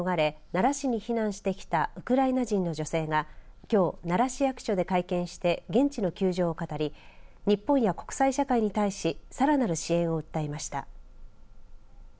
奈良市に避難してきたウクライナ人の女性がきょう、奈良市役所で会見して現地の窮状を語り日本や国際社会に対しさらなる支援を訴えました。